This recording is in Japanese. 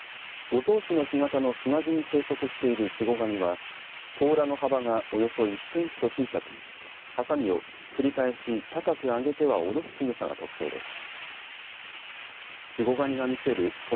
五島市の干潟の砂地に生息しているチゴガニは甲羅の幅がおよそ１センチと小さくハサミを繰り返し高く上げては下ろす、しぐさが特徴です。